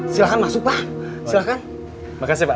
silahkan masuk pak silahkan makasih pak